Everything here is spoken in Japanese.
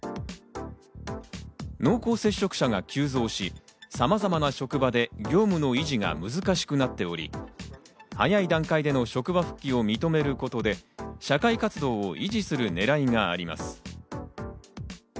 濃厚接触者が急増し、さまざまな職場で業務の維持が難しくなっており、早い段階での職場復帰を認めることで社会活動を維持する狙いがあります。